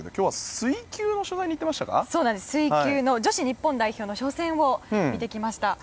水球の女子日本代表の初戦を見てきました。